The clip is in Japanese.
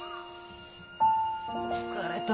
疲れた。